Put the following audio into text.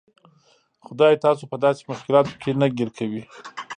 خدای تاسو په داسې مشکلاتو کې نه ګیر کوي.